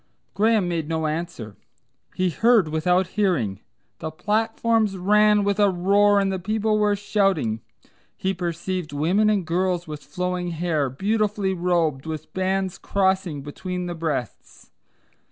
Graham made no answer. He heard without hearing. The platforms ran with a roar and the people were shouting. He perceived women and girls with flowing hair, beautifully robed, with bands crossing between the breasts.